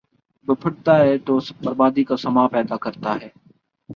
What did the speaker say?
، بپھر تا ہے تو بربادی کا ساماں پیدا کرتا ہے ۔